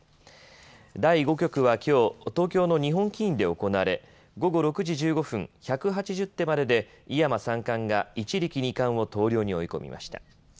第５局はきょう、東京の日本棋院で行われ午後６時１５分、１８０手までで井山三冠が一力遼二冠を投了に追い込みました。